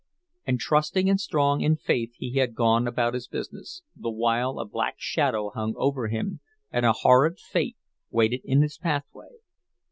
And trusting and strong in faith he had gone about his business, the while a black shadow hung over him and a horrid Fate waited in his pathway.